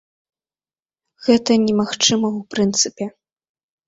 Гэта немагчыма ў прынцыпе.